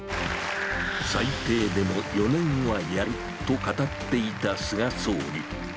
最低でも４年はやると語っていた菅総理。